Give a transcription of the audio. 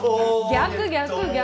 逆逆逆！